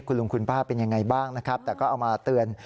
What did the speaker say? คุณลุงคุณป้าเป็นยังไงบ้างนะครับแต่ก็เอามาเตือน